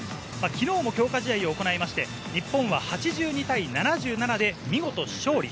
昨日も強化試合を行いまして、日本は８２対７７で見事勝利。